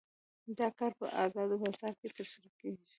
دا کار په ازاد بازار کې ترسره کیږي.